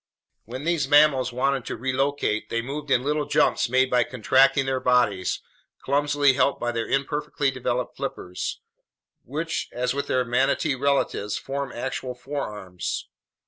When these mammals wanted to relocate, they moved in little jumps made by contracting their bodies, clumsily helped by their imperfectly developed flippers, which, as with their manatee relatives, form actual forearms.